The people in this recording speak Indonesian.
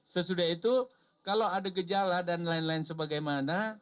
sesudah itu kalau ada gejala dan lain lain sebagaimana